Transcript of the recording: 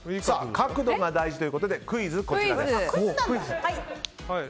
角度が大事ということでクイズ、こちらです。